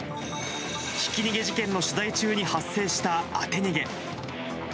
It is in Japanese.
ひき逃げ事件の取材中に発生した当て逃げ。